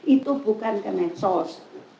itu bukan kemesos